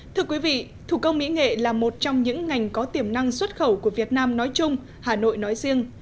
thưa quý vị thủ công mỹ nghệ là một trong những ngành có tiềm năng xuất khẩu của việt nam nói chung hà nội nói riêng